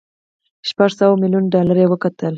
شپږ سوه ميليونه ډالر وګټل.